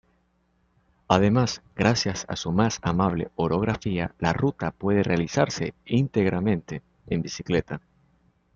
Además, gracias a su más amable orografía la ruta puede realizarse íntegramente en bicicleta.